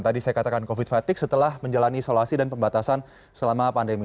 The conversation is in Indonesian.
tadi saya katakan covid fatigue setelah menjalani isolasi dan pembatasan selama pandemi